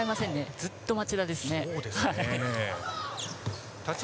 ずっと町田です。